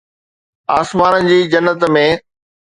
آسمانن جي جنت ۾